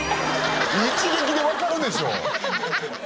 一撃でわかるでしょ！